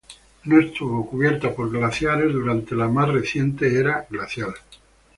No estuvo cubierta por glaciares durante la más reciente era glacial.